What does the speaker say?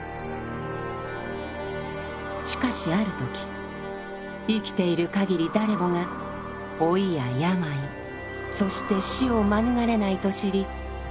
しかしある時生きているかぎり誰もが老いや病そして死を免れないと知り苦しみを覚えます。